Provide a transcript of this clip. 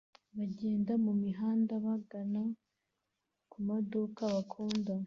bagenda mumihanda bagana kumaduka bakunda